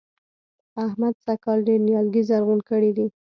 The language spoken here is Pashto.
احمد سږ کال ډېر نيالګي زرغون کړي دي.